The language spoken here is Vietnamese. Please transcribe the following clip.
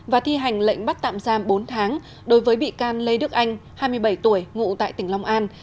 và thi hành lệnh bắt tạm giam bốn tháng đối với bị can lê đức anh hai mươi bảy tuổi ngụ tại tỉnh long an